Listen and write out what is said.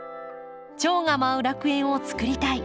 チョウが舞う楽園を作りたい。